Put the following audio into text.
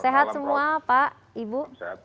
sehat semua pak ibu